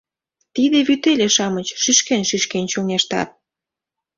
— Тиде вӱтеле-шамыч шӱшкен-шӱшкен чоҥештат.